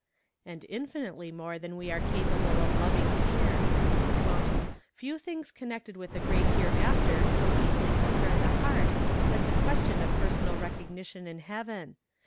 And infinitely more than we are capable of loving here. "Few things connected with the great hereafter so deeply concern the heart as the question of personal recognition in heaven.